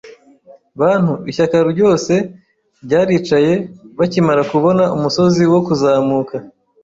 bantu, ishyaka ryose ryaricaye bakimara kubona umusozi wo kuzamuka.